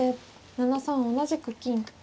７三同じく金。